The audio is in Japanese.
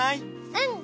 うん！